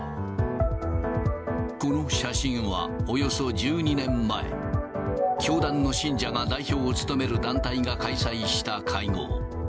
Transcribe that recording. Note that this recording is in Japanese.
この写真はおよそ１２年前、教団の信者が代表を務める団体が開催した会合。